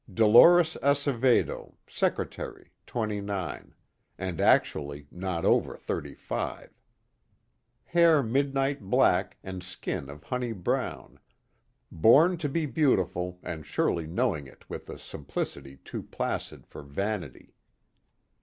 Dolores Acevedo, secretary, twenty nine and actually not over thirty five. Hair midnight black and skin of honey brown, born to be beautiful and surely knowing it with a simplicity too placid for vanity.